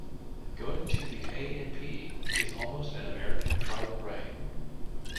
'Going to the A and P' is almost an American tribal rite.